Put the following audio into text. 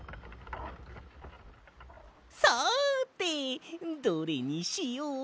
さてどれにしようかな。